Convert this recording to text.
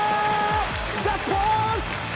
ガッツポーズ！